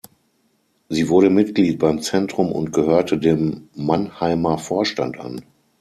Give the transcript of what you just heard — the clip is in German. Sie wurde Mitglied beim Zentrum und gehörte dem Mannheimer Vorstand an.